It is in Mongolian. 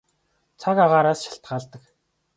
Цаг агаараас шалтгаалдаг.